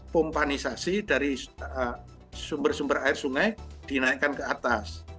pompanisasi dari sumber sumber air sungai dinaikkan ke atas